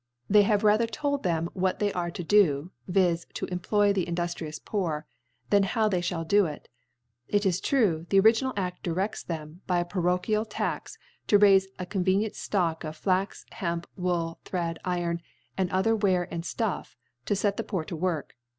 They have rather told them what they are to do {viz. to «t) ploy the induftrious Poor) than how thev ^ E fiiaU 4 i (74) fliall do it. Jt 18 true, the original Afl; di rects them, by z parochial Tax, to raife a convenient Stock of Flax, Hemp, Wool, Thread, Iron, and other Ware and Scuff, to fct the Poor to Work.